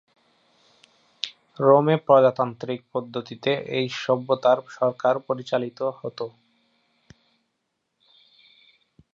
রোমে প্রজাতান্ত্রিক পদ্ধতিতে এই সভ্যতার সরকার পরিচালিত হতো।